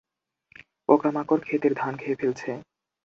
পোকামাকড় ক্ষেতের ধান খেয়ে ফেলছে।